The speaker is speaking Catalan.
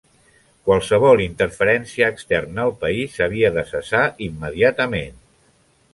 Qualsevol interferència externa al país havia de cessar immediatament.